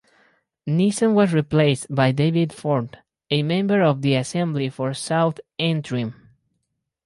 Neeson was replaced by David Ford, a member of the Assembly for South Antrim.